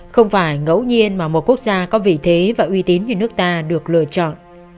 không phải ngẫu nhiên mà một quốc gia có vị thế và uy tín như nước ta được lựa chọn